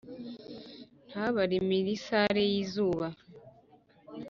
Ntabare imirisare y izuba